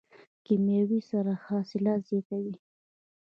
کیمیاوي سره حاصلات زیاتوي.